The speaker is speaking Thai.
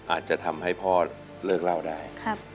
อาจจะทำให้พ่อเลิกเล่าได้